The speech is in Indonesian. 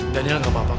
danial gak apa apa kok